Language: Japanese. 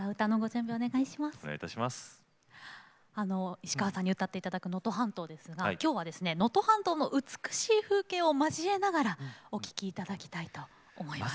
石川さんに歌っていただく「能登半島」ですけどきょうは、その能登半島の美しい風景を交えながら歌をお聴きいただきたいと思います。